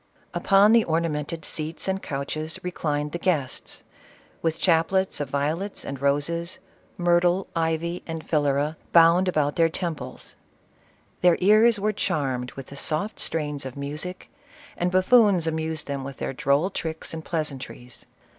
Upon the ornamented seats and couches reclined the guests, with chaplets of violets and roses, myrtle, ivy, CLEOPATRA. 37 and philyra, bound about their temples. Their ears were charmed with the soft strains of music, and buf foons amused them with their droll tricks and pleasan tries.